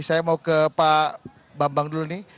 saya mau ke pak bambang dulu nih